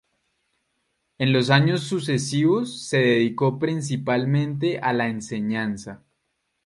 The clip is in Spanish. En los años sucesivos, se dedicó principalmente a la enseñanza.